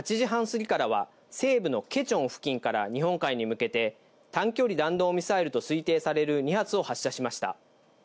また、午前８時半過ぎからは西部のケチョン付近から日本海に向けて短距離弾道ミサイルと推定される２発を発射しました。